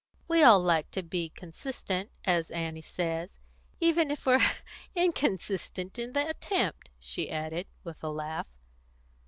We all like to be consistent, as Annie says even if we're inconsistent in the attempt," she added, with a laugh.